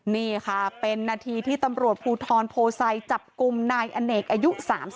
นี่ค่ะเป็นนาทีที่ตำรวจภูทรโพไซจับกลุ่มนายอเนกอายุ๓๒